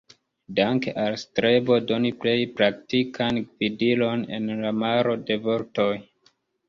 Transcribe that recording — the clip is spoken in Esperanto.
Danke al strebo doni plej praktikan gvidilon en la maro de vortoj.